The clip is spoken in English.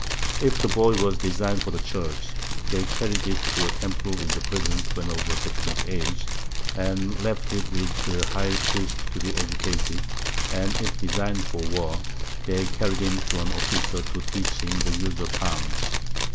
If the Boy was design'd for the Church, they carried it to a Temple with Presents, when of a sufficient Age, and left it with the High Priest to be educated; and if design'd for War, they carried him to an Officer to teach him the Use of Arms.